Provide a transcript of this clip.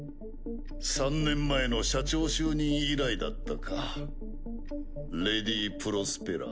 ３年前の社長就任以来だったかレディ・プロスペラ。